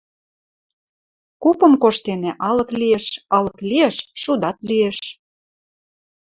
— Купым коштенӓ — алык лиэш, алык лиэш — шудат лиэш.